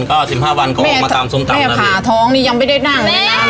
ก็สิบห้าวันก็ออกมาตามส้มตำแล้วเนี้ยแม่ผ่าท้องนี่ยังไม่ได้นั่งเลยน่ะ